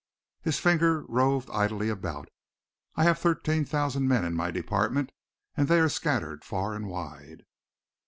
His finger roved idly about. "I have thirteen thousand men in my department and they are scattered far and wide."